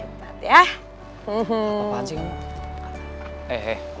eling amat essence kontan pilihan dan